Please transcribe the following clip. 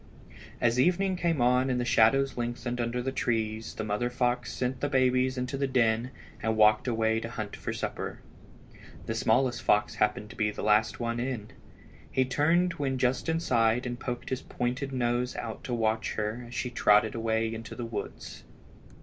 As evening came on and the shadows lengthened under the trees the mother fox sent the babies into the den and walked away to hunt for a supper. The smallest fox happened to be the last one in. He turned when just inside and poked his pointed nose out to watch her as she trotted away into the woods.